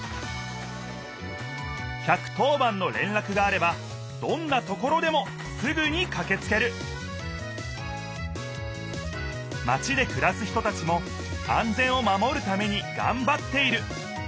１１０番のれんらくがあればどんなところでもすぐにかけつけるマチでくらす人たちも安全を守るためにがんばっている。